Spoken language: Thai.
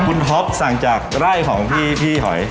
คุณฮอล์ฟสั่งจากไร่ของพี่พี่หอย